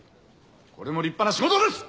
これも立派な仕事です！